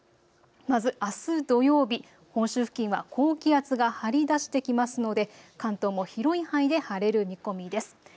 まずあす土曜日、本州付近は高気圧が張り出してきますので関東も広い範囲で晴れる見込みです。